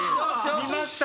見ました